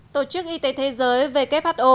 tổ chức y tế thế giới who